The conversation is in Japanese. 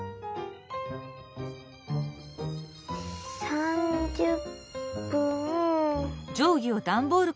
３０分。